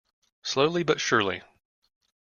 Slowly but surely.